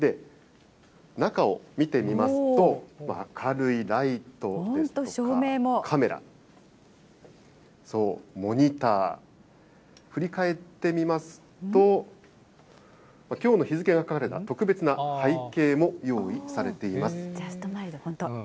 中を見てみますと、明るいライトですとかカメラ、モニター、振り返ってみますと、きょうの日付が書かれた特別な背景も用意されています。